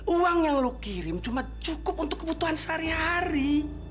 uang yang lo kirim cuma cukup untuk kebutuhan sehari hari